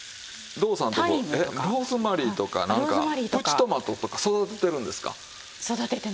堂さんとこローズマリーとかなんかプチトマトとか育ててるんですか？